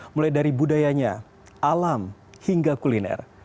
mulai dari budayanya alam hingga kuliner